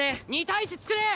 ２対１作れ！